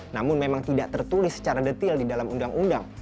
namun memang tidak tertulis secara detil di dalam undang undang